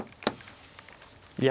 いや。